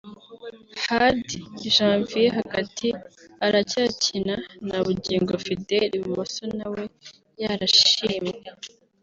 Hadi Janvier (Hagati) aracyakina na Bugingo Fidele (Ibumoso) nawe yarashimwe